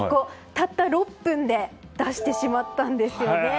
たった６分で出してしまったんです。